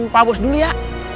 pabos dulu ya